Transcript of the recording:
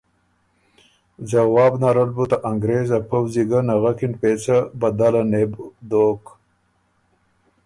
ځواب نرل بُو ته انګرېز ا پؤځی ګه نغکِن پېڅه بدله نې بو دوک